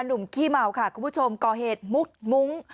ขี้เมาค่ะคุณผู้ชมก่อเหตุมุกมุ้ง